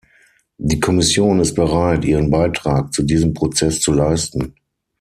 Die Kommission ist bereit, ihren Beitrag zu diesem Prozess zu leisten.